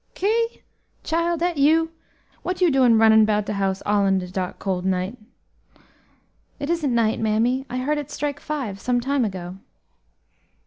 "Ki? chile, dat you? what you doin' runnin' 'bout de house all in de dark, cold night?" "It isn't night, mammy; I heard it strike five some time ago."